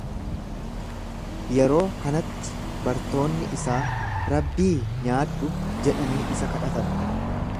Yeroo kanatti bartoonni isaa, Rabbii, nyaadhu jedhanii isa kadhatan.